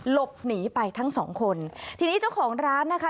หลบหนีไปทั้งสองคนทีนี้เจ้าของร้านนะคะ